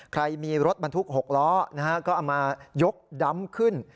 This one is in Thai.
ใครมีรถบรรทุก๖ล้อก็เอามายกดำขึ้น